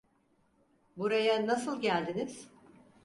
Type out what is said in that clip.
Buraya nasıl geldiniz?